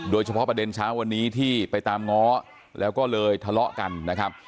โดยเฉพาะประเด็นเช้าวันนี้ที่ไปตามง้อแล้วก็เลยทะเลาะกันนะครับ